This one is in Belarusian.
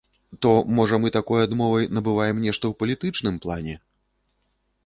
То, можа, мы такой адмовай набываем нешта ў палітычным плане?